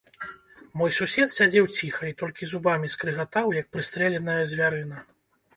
Мой сусед сядзеў ціха і толькі зубамі скрыгатаў, як прыстрэленая звярына.